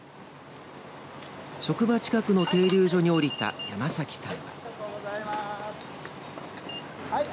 職場近くの停留所に降りた山崎さん。